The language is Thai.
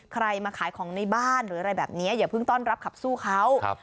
ใครมาขายของในบ้านหรืออะไรแบบนี้อย่าเพิ่งต้อนรับขับสู้เขา